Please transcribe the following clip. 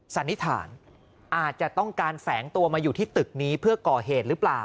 สันนิษฐานอาจจะต้องการแฝงตัวมาอยู่ที่ตึกนี้เพื่อก่อเหตุหรือเปล่า